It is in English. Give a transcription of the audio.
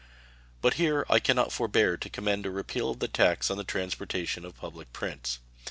But here I can not forbear to recommend a repeal of the tax on the transportation of public prints.